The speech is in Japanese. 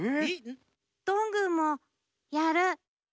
どんぐーもやる。